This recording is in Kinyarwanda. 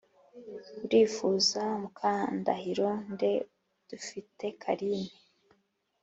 urifuza mukandahiro nde’ dufite karine,